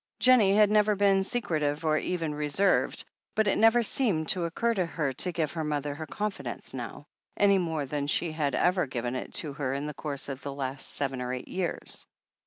Jennie had never been secretive or even reserved, but it never seemed to occur to her to give her mother her confidence now, any more than she had ever given it to her in the course of the last seven or eight years.